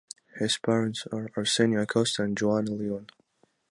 His parents are Arsenio Acosta and Juana Leon.